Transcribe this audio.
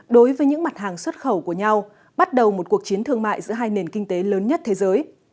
đối với những mặt hàng xuất khẩu của nhau bắt đầu một cuộc chiến thương mại giữa hai nền kinh tế lớn nhất thế giới